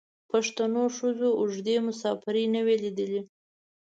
پښتنو ښځو اوږدې مسافرۍ نه وې لیدلي.